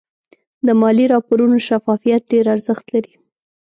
د مالي راپورونو شفافیت ډېر ارزښت لري.